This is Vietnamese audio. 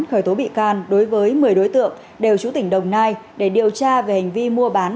khởi tố bị can đối với một mươi đối tượng đều chú tỉnh đồng nai để điều tra về hành vi mua bán